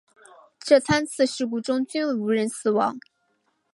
这三次事故中均无人死亡。